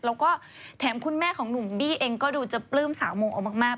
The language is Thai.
แล้วก็แถมคุณแม่ของหนุ่มบี้เองก็ดูจะปลื้มสาวโมเอามาก